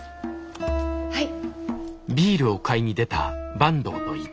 はい。